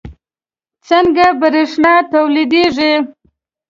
څنګه بریښنا تولیدیږي